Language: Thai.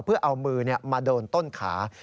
เพื่อเอามือมาโดนต้นขา